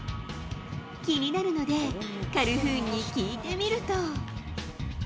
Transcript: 気になるので、カルフーンに聞いてみると。